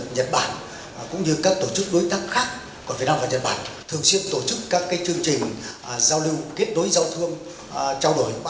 nhật bản là một trong hai quốc gia đầu tư nhất tại việt nam